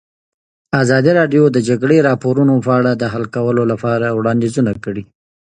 ازادي راډیو د د جګړې راپورونه په اړه د حل کولو لپاره وړاندیزونه کړي.